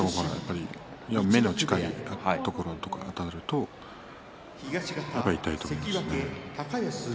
目に近いところとかにあたると痛いと思いますね。